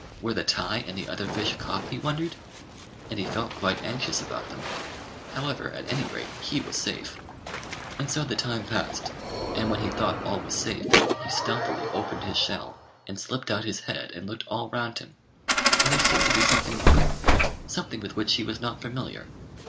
Were the Tai and the other fish caught, he wondered; and he felt quite anxious about them: however, at any rate, he was safe. And so the time passed; and when he thought all was safe, he stealthily opened his shell, and slipped out his head and looked all round him, and there seemed to be something wrong something with which he was not familiar.